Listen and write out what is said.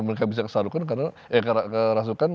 mereka bisa kesadukan eh kerasukan